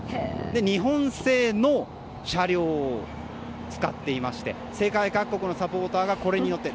日本製の車両を使っていまして世界各国のサポーターがこれに乗って。